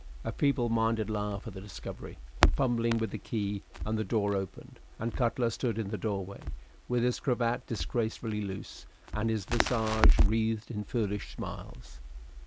A feeble minded laugh at the discovery, a fumbling with the key, and the door opened, and Cutler stood in the doorway, with his cravat disgracefully loose and his visage wreathed in foolish smiles.